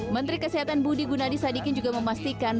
menteri kesehatan budi gunadi sadikin juga memastikan